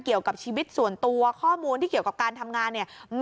เขาก็บอกว่าพื้นผม